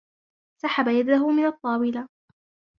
سحب يده من الطاولة.